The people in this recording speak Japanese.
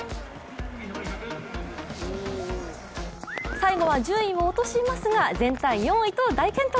最後は順位を落としますが順位は４位と大健闘！